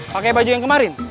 pake baju yang kemarin